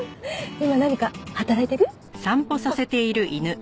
今何か働いてる？あっ。